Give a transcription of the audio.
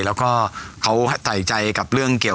ครับก็จากงานสับปะเหลอโลกสับปะเหลอโลก